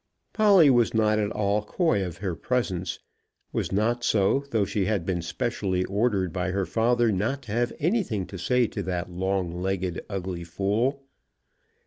Polly was not at all coy of her presence, was not so, though she had been specially ordered by her father not to have anything to say to that long legged, ugly fool.